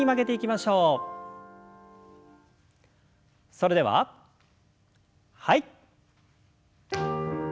それでははい。